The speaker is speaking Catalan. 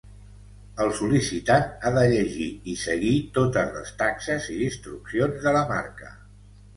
El sol·licitant ha de llegir i seguir totes les taxes i instruccions de la marca.